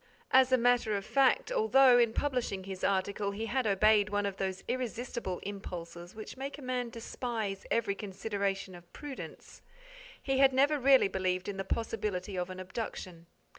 As a matter of fact, although, in publishing his article, he had obeyed one of those irresistible impulses which make a man despise every consideration of prudence, he had never really believed in the possibility of an abduction.